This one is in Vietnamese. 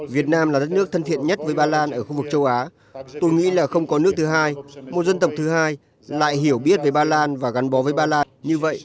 việt nam là đất nước thân thiện nhất với ba lan ở khu vực châu á tôi nghĩ là không có nước thứ hai một dân tộc thứ hai lại hiểu biết về ba lan và gắn bó với ba lan như vậy